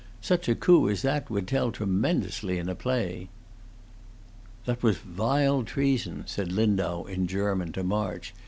"Such a coup as that would tell tremendously in a play." "That was vile treason," said Lindau in German to March.